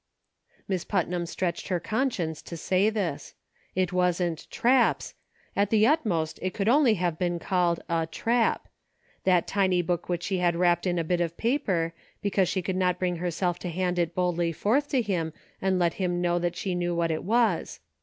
Miss Putnam stretched her conscience to say this. It wasn't " traps "; at the utmost it could only have been called a " trap ;" that tiny book which she had wrapped in a bit of paper, because she could not bring herself to hand it boldly forth to him and let him know that she knew what it was.